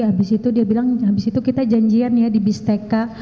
habis itu dia bilang habis itu kita janjian ya di bist tk